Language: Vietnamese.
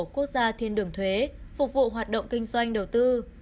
quốc gia thiên đường thuế phục vụ hoạt động kinh doanh đầu tư